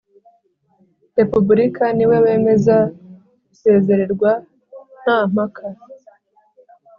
Repubulika niwe wemeza isezererwa nta mpaka